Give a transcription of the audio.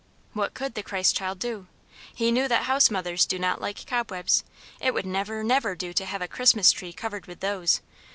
What could the Christ child do? He knew that house mothers do not like cobwebs; it would never, never do to have a Christmas Tree covered with those.